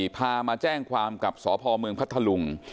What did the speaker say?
พามาแจ้งความกับสพเมืองพัทธลุง